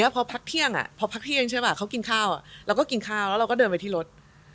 พอพักเที่ยงเขากินข้าวเราก็กินข้าวแล้วเราก็เดินไปที่รถ